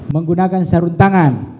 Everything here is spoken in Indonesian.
menggunakan sarun tangan